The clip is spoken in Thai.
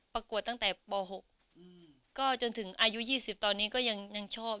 ประกวดตั้งแต่ป๖ก็จนถึงอายุ๒๐ตอนนี้ก็ยังชอบ